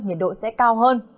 nhiệt độ sẽ cao hơn